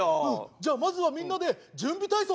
「じゃあまずはみんなで準備体操するよ」。